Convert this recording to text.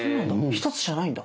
１つじゃないんだ！